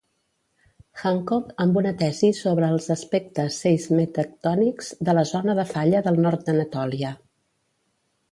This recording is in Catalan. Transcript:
Hancock amb una tesi sobre els ""aspectes seismetectònics de la zona de falla del nord d'Anatòlia"".